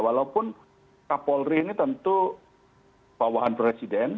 walaupun kapolri ini tentu bawahan presiden